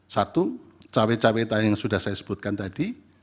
satu cawe cawe tadi yang sudah saya sebutkan tadi